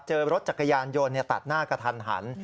เจอรถจักรยานยนต์ตัดหน้ากระทันหัน